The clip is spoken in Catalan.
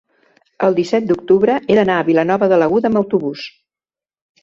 el disset d'octubre he d'anar a Vilanova de l'Aguda amb autobús.